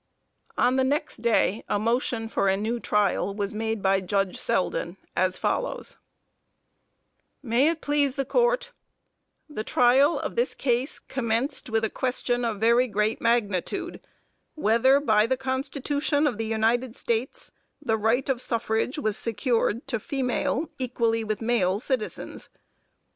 On the next day a motion for a new trial was made by Judge Selden, as follows: May it please the Court: The trial of this case commenced with a question of very great magnitude whether by the constitution of the United States the right of suffrage was secured to female equally with male citizens.